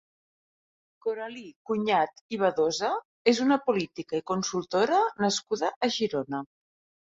Coralí Cunyat i Badosa és una política i consultora nascuda a Girona.